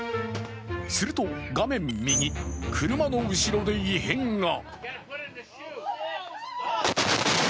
すると画面右、車の後ろで異変が。